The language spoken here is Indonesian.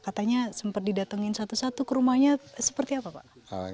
katanya sempat didatengin satu satu ke rumahnya seperti apa pak